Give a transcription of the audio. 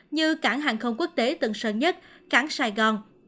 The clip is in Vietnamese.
như cảng hàng không quốc tế tân sơn nhất cảng sài gòn